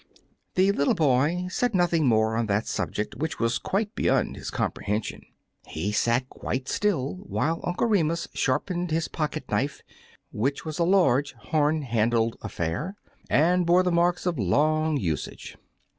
The little boy said nothing more on that subject, which was quite beyond his com prehension. He sat quite still while Uncle Remus sharpened his pocket knife, which was a large hom handle affair, and bore the marks of long usage.